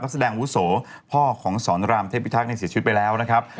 แสดงอาวุโสพ่อของสอนรามเทพิทักษ์เสียชีวิตไปแล้วนะครับ